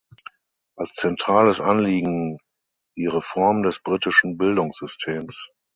Als zentrales Anliegen die Reform des britischen Bildungssystems.